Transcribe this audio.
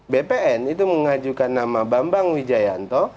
bpn itu mengajukan nama bambang wijayanto